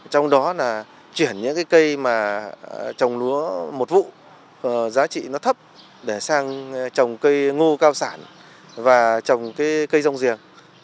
trong đó là chuyển những cái cây mà trồng lúa một vụ giá trị nó thấp để sang trồng cây ngu cao sản và trồng cây rông riềng